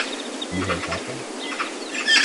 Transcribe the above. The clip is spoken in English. You have got them?